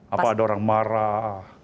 apa ada orang marah